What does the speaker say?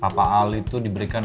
papa al itu diberikan